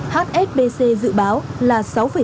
hsbc dự báo là sáu tám